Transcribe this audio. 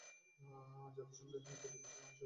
জাতিসংঘের যুব কৌশলের অংশ হিসাবে তিনি নির্বাচিত হন।